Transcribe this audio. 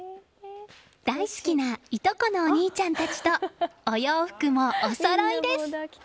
大好きないとこのお兄ちゃんたちとお洋服もおそろいです。